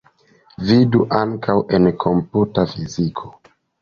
Vidu ankaŭ en komputa fiziko.